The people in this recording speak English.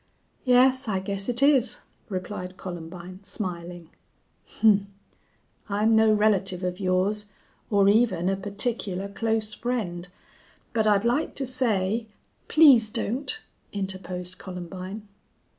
"Yes, I guess it is," replied Columbine, smiling. "Humph! I'm no relative of yours or even a particular, close friend, but I'd like to say " "Please don't," interposed Columbine.